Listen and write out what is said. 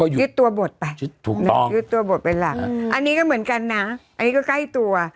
ยึดตัวบทไปยึดตัวบทเป็นหลักอันนี้ก็เหมือนกันนะอันนี้ก็ใกล้ตัว